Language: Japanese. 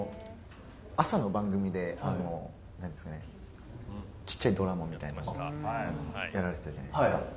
朝の番組で、なんですかね、ちっちゃいドラマみたいなの、やられてたじゃないですか。